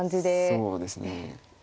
そうですね。